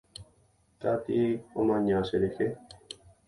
Katie omaña cherehe.